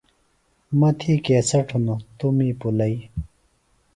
مہ تھی کیسٹ ہِنوۡ توۡ می پُلئی۔